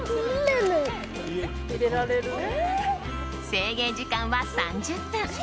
制限時間は３０分。